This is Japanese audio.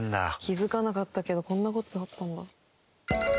気づかなかったけどこんな事あったんだ。